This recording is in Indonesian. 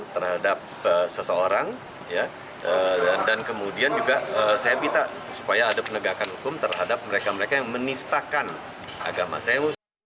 terhadap seseorang dan kemudian juga saya minta supaya ada penegakan hukum terhadap mereka mereka yang menistakan agama saya